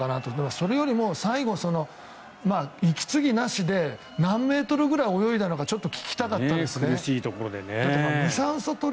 それよりも最後、息継ぎなしで何メートルぐらい泳いだのかちょっと聞きたかったですね。